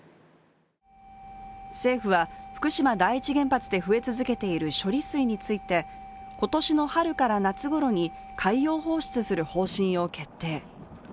政府は、福島第一原発で増え続けている処理水について今年の春から夏ごろに海洋放出する方針を決定。